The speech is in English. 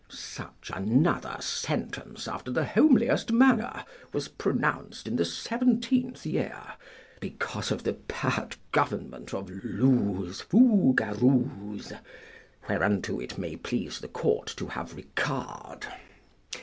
Such another sentence after the homeliest manner was pronounced in the seventeenth year, because of the bad government of Louzefougarouse, whereunto it may please the court to have regard.